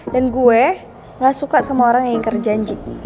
dan gue enggak suka sama orang yang keren janji